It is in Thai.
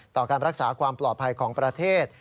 การรักษาความปลอดภัยของประเทศ